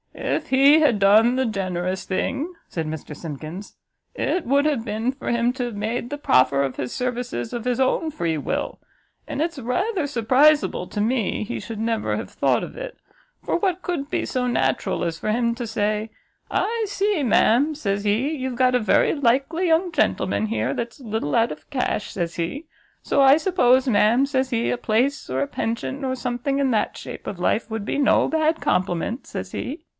"If he had done the generous thing," said Mr Simkins, "it would have been for him to have made the proffer of his services of his own free will; and it's rather surpriseable to me he should never have thought of it; for what could be so natural as for him to say, I see, ma'am, says he, you've got a very likely young gentleman here, that's a little out of cash, says he, so I suppose, ma'am, says he, a place, or a pension, or something in that shape of life, would be no bad compliment, says he."